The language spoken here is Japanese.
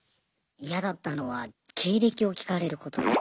嫌だったのは経歴を聞かれることです